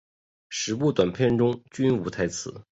十部短片中均无台词。